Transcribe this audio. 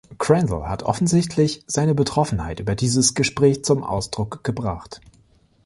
Crandall hat öffentlich seine Betroffenheit über dieses Gespräch zum Ausdruck gebracht.